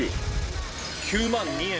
９万２円。